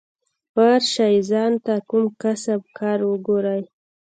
ورسئ ځان ته کوم کسب کار وگورئ.